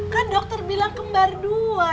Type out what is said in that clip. kan dokter bilang kembar dua